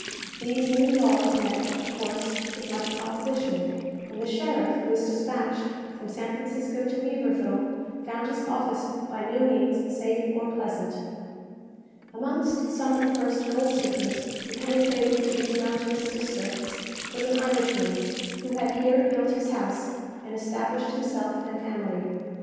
These new laws met, of course, with much opposition, and the sheriff who was despatched from San Francisco to Weaverville, found his office by no means safe or pleasant. Amongst some of the first gold seekers who penetrated to these mountainous districts, was an Irishman, who had here built his house, and established himself and family.